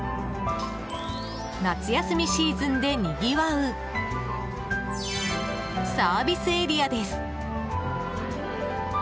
夏休みシーズンでにぎわうサービスエリアです。